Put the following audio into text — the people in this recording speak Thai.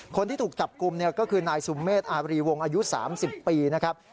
คนที่ถูกจับกลุ่มก็คือนายสุเมฆอาบรีวงอายุ๓๐ปีนะครับ